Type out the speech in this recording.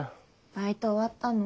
バイト終わったの？